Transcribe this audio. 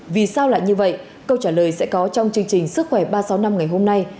vì sao lại như vậy câu trả lời sẽ có trong chương trình sức khỏe ba trăm sáu mươi năm ngày hôm nay